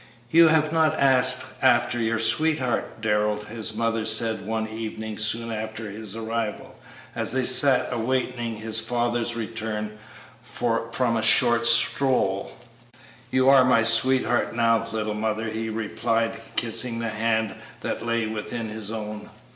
"You have not yet asked after your sweetheart, Darrell," his mother said one evening soon after his arrival, as they sat awaiting his father's return from a short stroll. "You are my sweetheart now, little mother," he replied, kissing the hand that lay within his own.